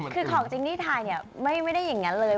คือของจริงที่ถ่ายเนี่ยไม่ได้อย่างนั้นเลย